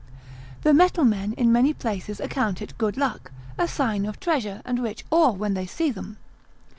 The metal men in many places account it good luck, a sign of treasure and rich ore when they see them.